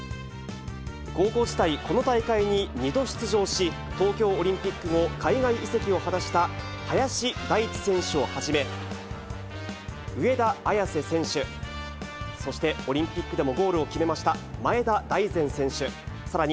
高校時代、この大会に２度出場し、東京オリンピック後、海外移籍を果たした林大地選手をはじめ、上田綺世選手、そしてオリンピックでもゴールを決めました、前田大然選手、さらに、